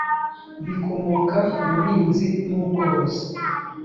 bikomoka ku buhinzi n ubworozi